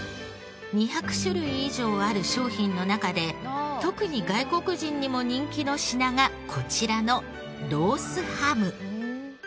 ２００種類以上ある商品の中で特に外国人にも人気の品がこちらのロースハム。